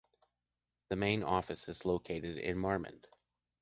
The main office is located in Marmande.